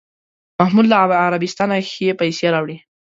محمود له عربستانه ښې پسې راوړې.